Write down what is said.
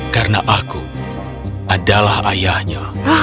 karena aku adalah ayahnya